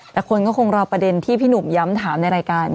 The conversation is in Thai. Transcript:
แต่คนก็คงรอประเด็นที่พี่หนุ่มย้ำถามในรายการ